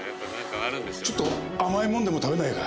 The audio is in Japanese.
ちょっと甘いもんでも食べないか？